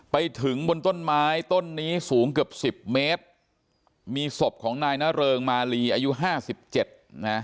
ไปถึงบนต้นไม้ต้นนี้สูงเกือบ๑๐เมตรมีสบของนายนเริงมารีอายุ๕๗นะ